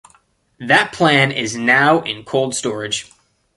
That plan is now in cold storage.